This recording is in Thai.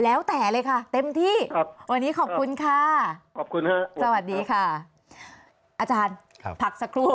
แล้วแต่เลยค่ะเต็มที่วันนี้ขอบคุณค่ะขอบคุณค่ะสวัสดีค่ะอาจารย์พักสักครู่